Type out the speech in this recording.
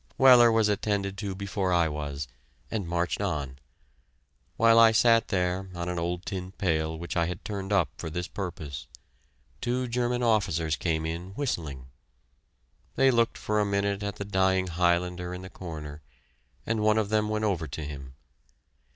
Weller was attended to before I was, and marched on. While I sat there on an old tin pail which I had turned up for this purpose, two German officers came in, whistling. They looked for a minute at the dying Highlander in the corner, and one of them went over to him.